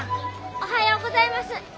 おはようございます。